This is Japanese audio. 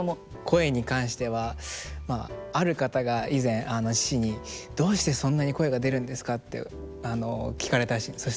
声に関してはある方が以前父に「どうしてそんなに声が出るんですか？」って聞かれたらしいんです。